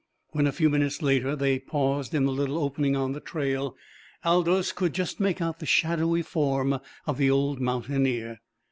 When a few minutes later they paused in the little opening on the trail Aldous could just make out the shadowy form of the old mountaineer.